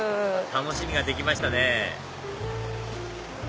楽しみができましたね